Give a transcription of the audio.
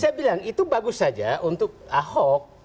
saya bilang itu bagus saja untuk ahok